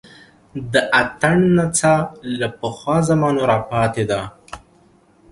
د اتڼ نڅا له پخوا زمانو راپاتې ده